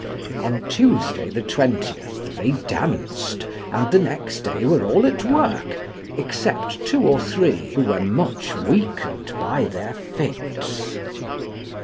On Tuesday the 20th, they danced, and the next day were all at work, except two or three, who were much weakened by their fits."